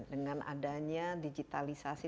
dengan adanya digitalisasi